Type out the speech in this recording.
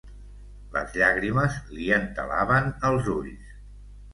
Les llàgrimes li entelaven els ulls.